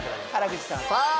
さあ